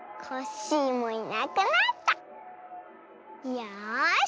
よし。